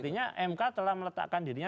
artinya mk telah meletakkan dirinya